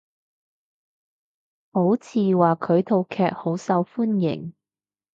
好似話佢套劇好受歡迎？